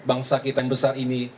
bangsa kita yang besar ini